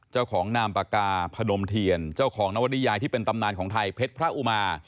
นามปากกาพนมเทียนเจ้าของนวริยายที่เป็นตำนานของไทยเพชรพระอุมา